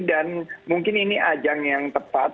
dan mungkin ini ajang yang tepat